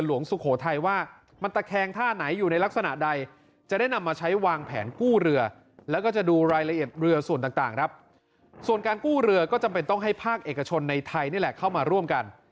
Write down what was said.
ละเอียดเรือส่วนต่างส่วนการกู้เรือก็จำเป็นต้องให้ภาคเอกชนในไทยเข้ามาร่วมกัน